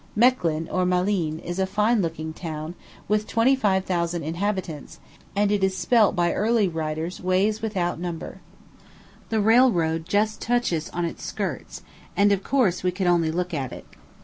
Mechlin, or Malines, is a fine looking town, with twenty five thousand inhabitants, and it is spelt by early writers ways without number. The railroad just touches on its skirts, and, of course, we could only look at it.